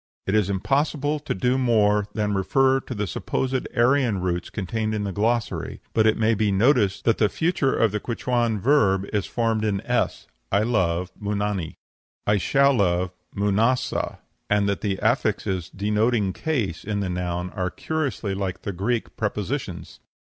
It is impossible to do more than refer to the supposed Aryan roots contained in the glossary, but it may be noticed that the future of the Quichuan verb is formed in s I love, Munani; I shall love, Munasa and that the affixes denoting cases in the noun are curiously like the Greek prepositions."